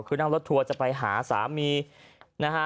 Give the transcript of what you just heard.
คือนั่งรถทัวร์จะไปหาสามีนะฮะ